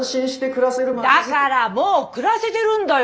だからもう暮らせてるんだよ！